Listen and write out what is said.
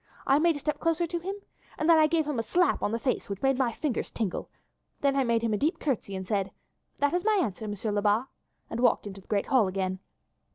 I made a step closer to him, and then I gave him a slap on the face which made my fingers tingle, then I made him a deep curtsy and said, 'That is my answer, Monsieur Lebat,' and walked into the great hall again.